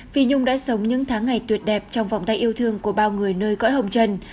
phi nhung đã sống những tháng ngày tuyệt đẹp trong vòng tay yêu thương của bao người nơi cõi hồng trần